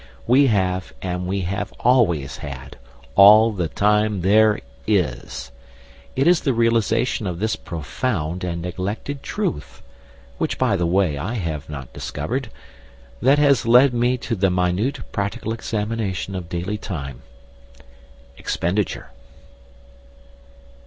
We have, and we have always had, all the time there is. It is the realisation of this profound and neglected truth (which, by the way, I have not discovered) that has led me to the minute practical examination of daily time expenditure.